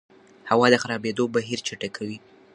هوا د خرابېدو بهیر چټکوي.